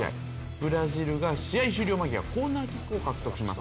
ブラジルが試合終了間際コーナーキックを獲得します。